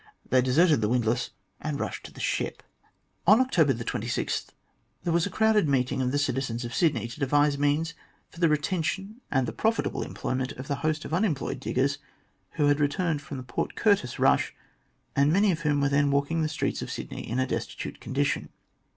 They deserted the windlass and rushed to the ship. On October 26 there was a crowded meeting of the citizens of Sydney to devise means for the retention and the profitable employment of the host of unemployed diggers, who had returned from the Port Curtis rush, and many of whom were then walking the streets of Sydney in a destitute condition.